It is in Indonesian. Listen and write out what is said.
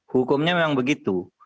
hukumnya memang begitu